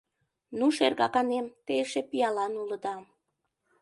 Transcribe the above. — Ну, шергаканем, те эше пиалан улыда.